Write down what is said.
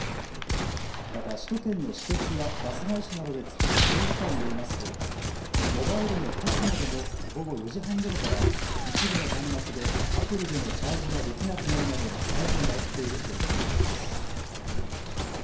また首都圏の私鉄やバス会社などで作る協議会によりますとモバイルのＰＡＳＭＯでも午後４時半ごろから一部の端末でアプリでのチャージができなくなるなどのトラブルが起きているということです。